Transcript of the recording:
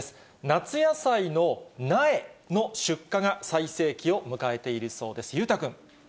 夏野菜の苗の出荷が最盛期を迎えているそうです。